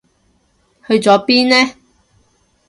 去咗邊呢？